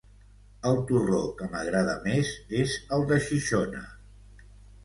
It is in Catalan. El torró que m'agrada més és el de Xixona.